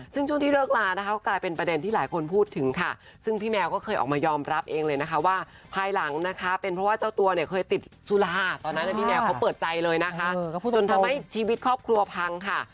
ซึ่งช่วงที่เลิกลานะคะก็กลายเป็นประเด็นที่หลายคนพูดถึงค่ะซึ่งพี่แมวก็เคยออกมายอมรับเองเลยนะคะว่าภายหลังนะคะเป็นเพราะว่าเจ้าตัวเนี่ยเคยติดสุราตอนนั้นพี่แมวเขาเปิดใจเลยนะคะจนทำให้ชีวิตครอบครัวพังค่ะ